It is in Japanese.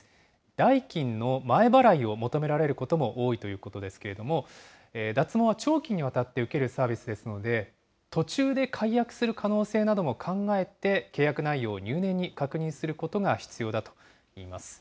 代金の前払いを求められることも多いということですけれども、脱毛は長期にわたって受けるサービスですので、途中で解約する可能性なども考えて、契約内容を入念に確認することが必要だといいます。